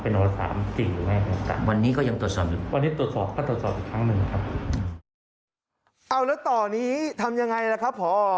เอาแล้วต่อนี้ทำยังไงล่ะครับพอ